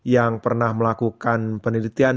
yang pernah melakukan penelitian